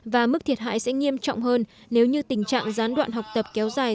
và mức thiệt hại sẽ nghiêm trọng hơn nếu như tình trạng gián đoạn học tập kéo dài